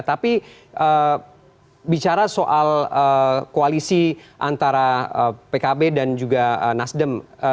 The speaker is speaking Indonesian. tapi bicara soal koalisi antara pkb dan juga nasdem